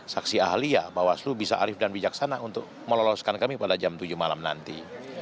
saksi ahli ya bawaslu bisa arif dan bijaksana untuk meloloskan kami pada jam tujuh malam nanti